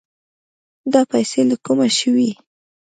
دا پيسې له کومه شوې؟